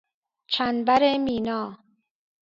چنبر مینا